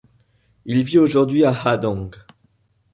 Il vit aujourd'hui à Hà Đông.